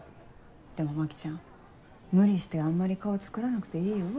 でも牧ちゃん無理してあんまり顔作らなくていいよ。